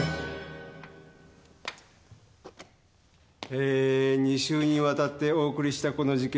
えー２週に渡ってお送りしたこの事件。